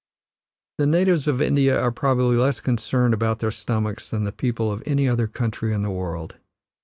The natives of India are probably less concerned about their stomachs than the people of any other country in the world.